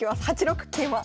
８六桂馬。